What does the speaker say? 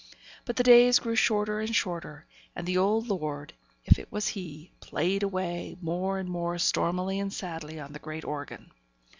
But the days grew shorter and shorter, and the old lord, if it was he, played away, more and more stormily and sadly, on the great organ.